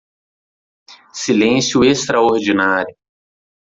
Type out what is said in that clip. Silêncio extraordinário